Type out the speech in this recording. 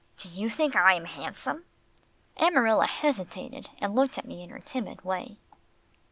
"Do you think I am handsome?" Amarilla hesitated, and looked at me in her timid way.